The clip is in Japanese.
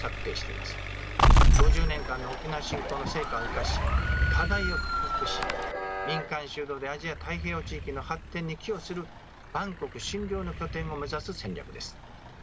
５０年間の沖縄振興の成果を活かし課題を克服し民間主導でアジア太平洋地域の発展に寄与する万国津梁の拠点を目指す戦略です。